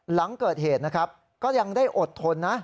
หลังเกิดเหตุนะครับก็ยังได้อดทนนะ